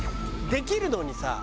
できるのにさ。